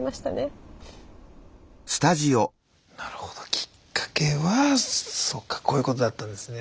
きっかけはそっかこういうことだったんですね。